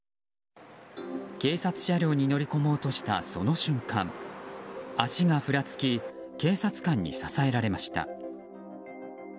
警察車両に乗り込もうとしたその瞬間足がふらつき警察官に支えられました。